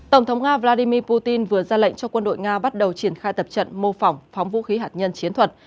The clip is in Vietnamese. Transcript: tổng thống nga vladimir putin vừa ra lệnh cho quân đội nga bắt đầu triển khai tập trận mô phỏng phóng vũ khí hạt nhân chiến thuật